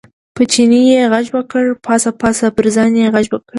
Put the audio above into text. په چیني یې غږ وکړ، پاڅه پاڅه، پر ځان یې غږ وکړ.